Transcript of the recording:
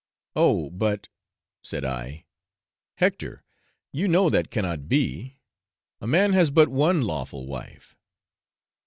'Oh, but,' said I, 'Hector, you know that cannot be, a man has but one lawful wife.'